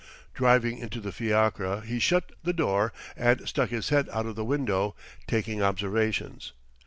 Diving into the fiacre he shut the door and stuck his head out of the window, taking observations.